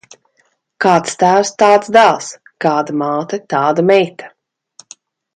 Kāds tēvs, tāds dēls; kāda māte, tāda meita.